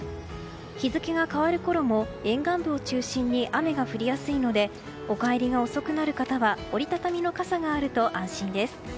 日付が変わるころも沿岸部を中心に雨が降りやすいのでお帰りが遅くなる方は折り畳みの傘があると安心です。